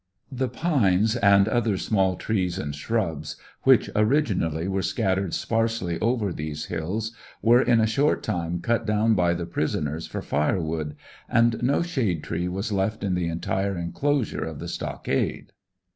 The pines and other small trees and shrubs, which originally were scattered sparsely over these hills were in a short time cut down by the prisoners for fire wood, and no shade tree was left in the entire enclosure of the stock ade.